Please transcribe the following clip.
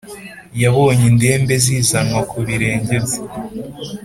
yabonye indembe zizanwa ku birenge bye